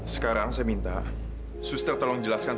sekarang saya minta suster tolong jelaskan